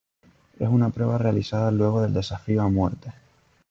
Es una prueba realizada luego del Desafío a Muerte.